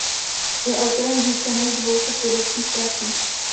Je autorem více než dvou set vědeckých prací.